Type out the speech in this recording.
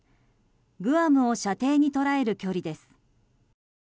グアムを射程に捉える距離です。